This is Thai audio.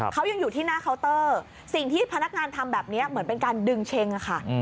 เขายังอยู่ที่หน้าเคาน์เตอร์สิ่งที่พนักงานทำแบบนี้เหมือนเป็นการดึงเช็งค่ะ